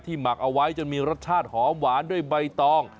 หมักเอาไว้จนมีรสชาติหอมหวานด้วยใบตอง